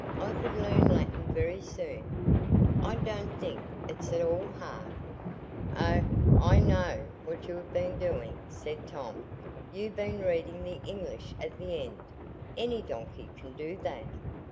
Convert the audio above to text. I could learn Latin very soon. I don't think it's at all hard." "Oh, I know what you've been doing," said Tom; "you've been reading the English at the end. Any donkey can do that."